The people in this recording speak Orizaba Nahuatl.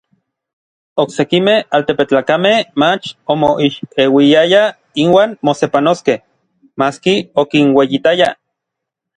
Oksekimej altepetlakamej mach omoixeuiayaj inuan mosepanoskej, maski okinueyitayaj.